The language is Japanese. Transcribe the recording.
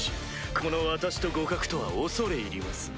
この私と互角とは恐れ入ります。